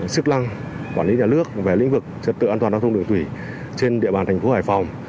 chức lăng quản lý nhà nước về lĩnh vực trật tự an toàn giao thông đường thủy trên địa bàn thành phố hải phòng